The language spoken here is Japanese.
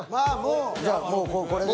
じゃあもうこれで。